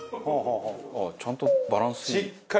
ちゃんとバランスいい。